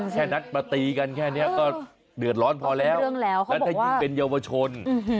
แค่นัดมาตีกันแค่นี้ก็เดือดร้อนพอแล้วแล้วถ้ายิ่งเป็นเยาวชน